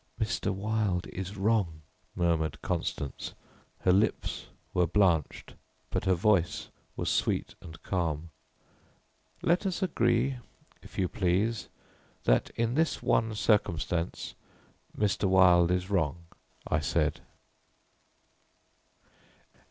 "Mr. Wilde is wrong," murmured Constance. Her lips were blanched, but her voice was sweet and calm. "Let us agree, if you please, that in this one circumstance Mr. Wilde is wrong," I said.